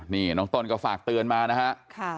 นี่น้องต้นก็ฝากเตือนมานะฮะ